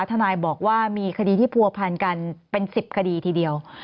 ทนายบอกว่ามีคดีที่ผัวพันกันเป็น๑๐คดีทีเดียว